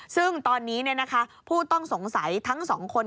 ซึ่งตอนนี้ผู้ต้องสงสัยทั้ง๒คน